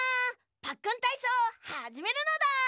パックンたいそうはじめるのだ！